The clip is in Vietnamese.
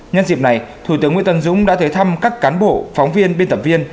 nhân dịp này thủ tướng nguyễn tân dũng đã tới thăm các cán bộ phóng viên biên tập viên